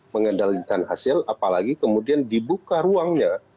mengendalikan hasil apalagi kemudian dibuka ruangnya